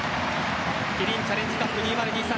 キリンチャレンジカップ２０２３